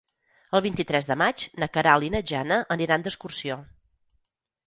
El vint-i-tres de maig na Queralt i na Jana aniran d'excursió.